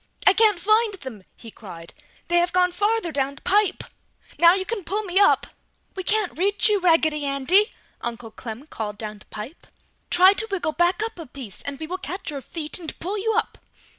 "I can't find them!" he cried. "They have gone farther down the pipe! Now you can pull me up!" "We can't reach you, Raggedy Andy!" Uncle Clem called down the pipe. "Try to wiggle back up a piece and we will catch your feet and pull you up!"